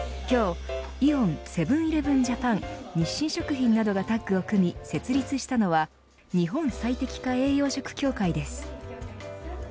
今日イオンセブン‐イレブン・ジャパン日清食品などがタッグを組み設立したのは日本最適化栄養食協会です。